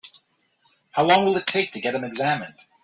How long will it take to get him examined?